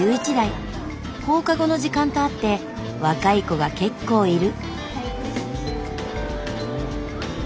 放課後の時間とあって若い子が結構いる。